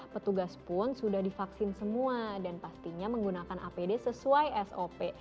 petugas pun sudah divaksin semua dan pastinya menggunakan apd sesuai sop